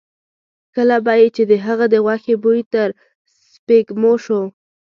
کله به یې چې د هغه د غوښې بوی تر سپېږمو شو.